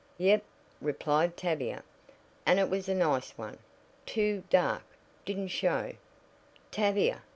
"Yep," replied Tavia; "and it was a nice one, too dark, didn't show " "Tavia!"